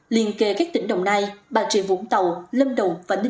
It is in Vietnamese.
liên kề các tỉnh đồng nai bà rịa vũng tàu lâm đồng và ninh thuận